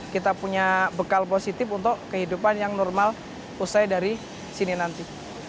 kita punya bekal positif untuk kehidupan yang normal usai dari sini nanti